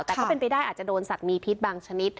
แต่ก็เป็นไปได้อาจจะโดนสัตว์มีพิษบางชนิด